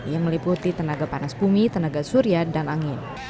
yang meliputi tenaga panas bumi tenaga surya dan angin